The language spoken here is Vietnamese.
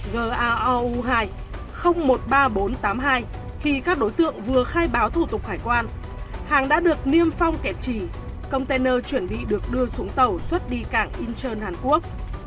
gaou hai một mươi ba nghìn bốn trăm tám mươi hai khi các đối tượng vừa khai báo thủ tục hải quan hàng đã được niêm phong kẹp trì container chuẩn bị được đưa xuống tàu xuất đi cảng incheon hàn quốc